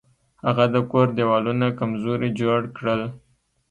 هغه د کور دیوالونه کمزوري جوړ کړل.